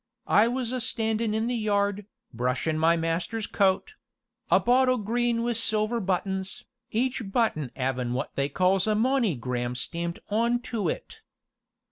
I was a standin' in the yard, brushin' my master's coat a bottle green wi' silver buttons, each button 'avin' what they calls a monneygram stamped onto it.